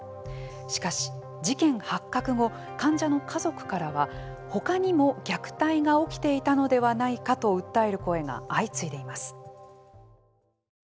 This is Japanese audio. しかし、事件発覚後患者の家族からは、他にも虐待が起きていたのではないかと訴える声が相次いでいます。